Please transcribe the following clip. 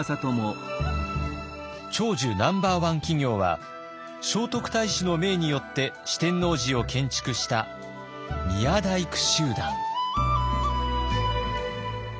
長寿ナンバーワン企業は聖徳太子の命によって四天王寺を建築した宮大工集団。